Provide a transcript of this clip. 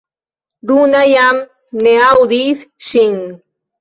Runa jam ne aŭdis ŝin.